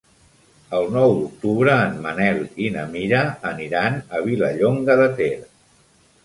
El nou d'octubre en Manel i na Mira aniran a Vilallonga de Ter.